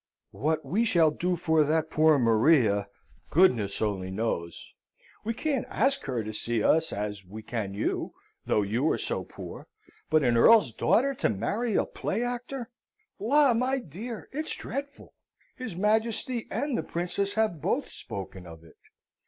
What we shall do for that poor Maria, goodness only knows! we can't ask her to see us as we can you, though you are so poor: but an earl's daughter to marry a play actor! La, my dear, it's dreadful: his Majesty and the Princess have both spoken of it!